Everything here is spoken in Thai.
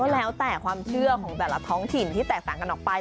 แล้วแต่ความเชื่อของแต่ละท้องถิ่นที่แตกต่างกันออกไป